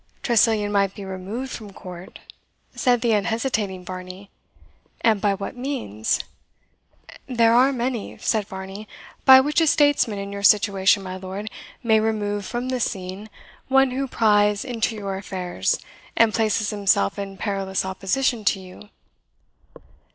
"Tressilian might be removed from court," said the unhesitating Varney. "And by what means?" "There are many," said Varney, "by which a statesman in your situation, my lord, may remove from the scene one who pries into your affairs, and places himself in perilous opposition to you."